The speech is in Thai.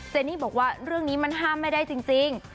เนนี่บอกว่าเรื่องนี้มันห้ามไม่ได้จริง